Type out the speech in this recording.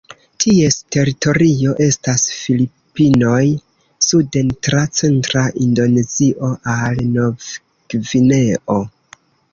Ties teritorio estas Filipinoj suden tra centra Indonezio al Novgvineo.